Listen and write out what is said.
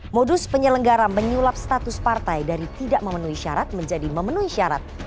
modus penyelenggara menyulap status partai dari tidak memenuhi syarat menjadi memenuhi syarat